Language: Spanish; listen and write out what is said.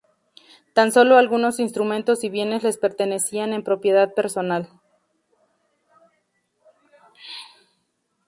Tan solo algunos instrumentos y bienes les pertenecían en propiedad personal.